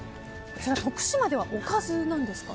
徳島ではおかずなんですか？